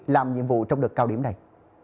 làm nhiệm vụ trong đợt cao điểm này